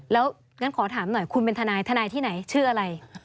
แล้วงั้นขอถามหน่อยคุณเป็นทนายทนายที่ไหนชื่ออะไร